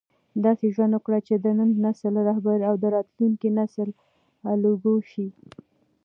داسې ژوند وکړه چې د نن نسل رهبر او د راتلونکي نسل الګو شې.